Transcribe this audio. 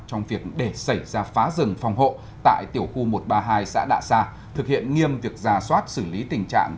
trong việc để xảy ra phá rừng phòng hộ tại tiểu khu một trăm ba mươi hai xã đạ sa thực hiện nghiêm việc ra soát xử lý tình trạng